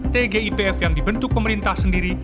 tgipf yang dibentuk pemerintah sendiri